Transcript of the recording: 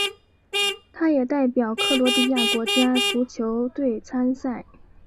他也代表克罗地亚国家足球队参赛。